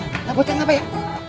itu butang apa ya